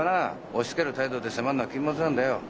押しつける態度で迫るのは禁物なんだよ。